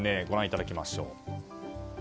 ご覧いただきましょう。